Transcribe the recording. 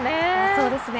そうですね。